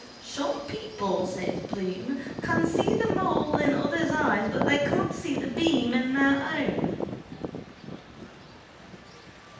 —Some people, says Bloom, can see the mote in others' eyes but they can't see the beam in their own.